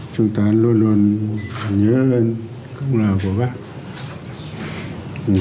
chúng ta luôn luôn nhớ cung lợi của bác